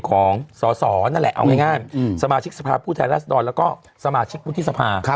ของศศนั่นแหละเอาง่ายสมาชิกสภาผู้แท้ลักษณ์ดรแล้วก็สมาชิกพุทธศพา